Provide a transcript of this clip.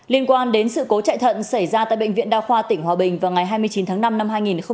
liên quan đến sự cố chạy thận xảy ra tại bệnh viện đa khoa tỉnh hòa bình vào ngày hai mươi chín tháng năm năm hai nghìn một mươi chín